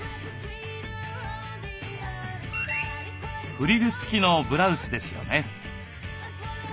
フリル付きのブラウスですよね。